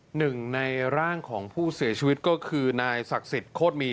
หนึ่งในร่างของผู้เสียชีวิตก็คือนายศักดิ์สิทธิโคตรมี